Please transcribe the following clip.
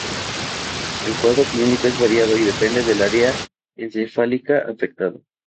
El cuadro clínico es variado y depende del área encefálica afectada.